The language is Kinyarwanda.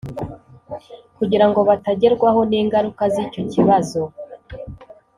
kugira ngo batagerwaho n’ingaruka z’icyo kibazo